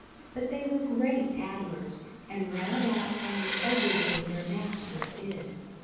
But they were great tattlers, and ran about telling everything their masters did.